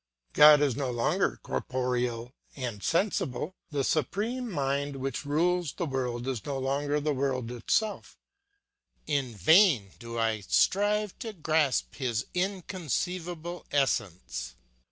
God is no longer corporeal and sensible; the supreme mind which rules the world is no longer the world itself; in vain do I strive to grasp his inconceivable essence.